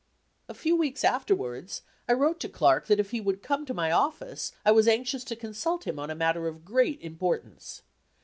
A few weeks afterwards, I wrote to Clark that if he would come to my office I was anxious to consult him on a matter of great importance.